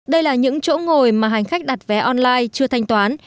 đây là những chỗ ngồi mà hành khách đặt vé online chưa thanh toán